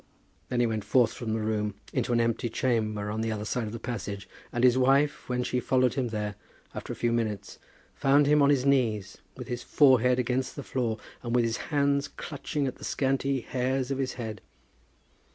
Then he went forth from the room into an empty chamber on the other side of the passage; and his wife, when she followed him there after a few minutes, found him on his knees, with his forehead against the floor, and with his hands clutching at the scanty hairs of his head.